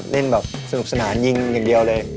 เล่นแบบสนุกสนานยิงอย่างเดียวเลย